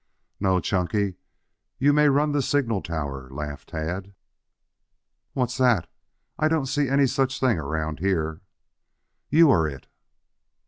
"No, Chunky. You may run the signal tower," laughed Tad. "What's that? I don't see any such thing around here?" "You are it."